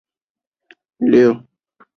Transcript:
太和岗位于中国广州市越秀区。